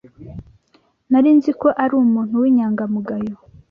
Nari nzi ko ari umuntu w'inyangamugayo.